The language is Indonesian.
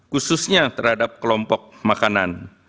khususnya terhadap kelompok makanan